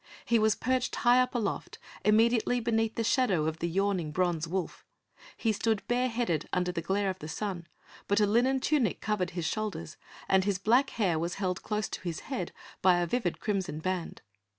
He was perched high up aloft, immediately beneath the shadow of the yawning bronze wolf; he stood bare headed under the glare of the sun, but a linen tunic covered his shoulders, and his black hair was held close to his head by a vivid crimson band.